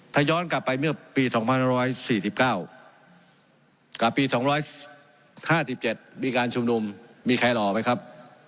ถ้าย้อนกลับไปเมื่อปี๒๑๔๙กับปี๒๕๗มีการชุมนุมมีใครหล่อไหมครับ